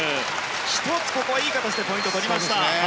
１ついい形でポイントを取りました。